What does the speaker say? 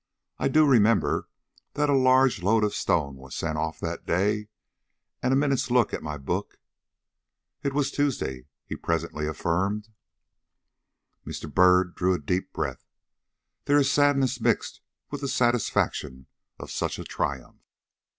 I do remember that a large load of stone was sent off that day, and a minute's look at my book It was Tuesday," he presently affirmed. Mr. Byrd drew a deep breath. There is sadness mixed with the satisfaction of such a triumph.